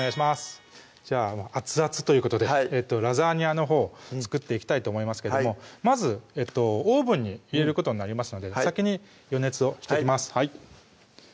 じゃあ熱々ということでラザーニャのほう作っていきたいと思いますけどもまずオーブンに入れることになりますので先に予熱をしてきます